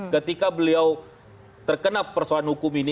ketika beliau terkena persoalan hukum ini